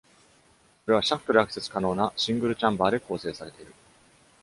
それはシャフトでアクセス可能なシングルチャンバで構成されている。